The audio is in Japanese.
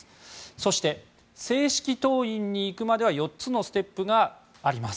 そして、正式党員に行くまでは４つのステップがあります。